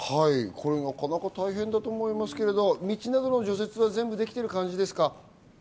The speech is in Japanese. なかなか大変だと思うんですが、道などの除雪はできている感じですか？